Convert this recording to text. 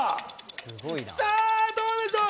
さぁ、どうでしょう？